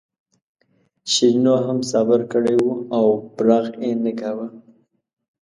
شیرینو هم صبر کړی و او برغ یې نه کاوه.